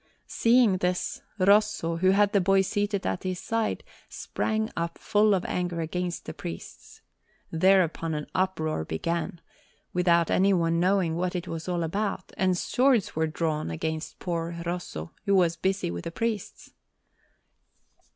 Seeing this, Rosso, who had the boy seated at his side, sprang up full of anger against the priests. Thereupon an uproar began, without anyone knowing what it was all about, and swords were drawn against poor Rosso, who was busy with the priests.